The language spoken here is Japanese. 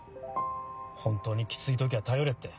本当にキツい時は頼れって。